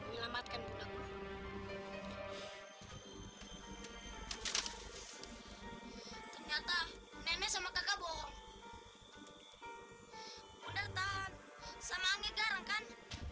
nyelamatkan bunda ternyata nenek sama kakak bohong udah tahu sama angget garang kan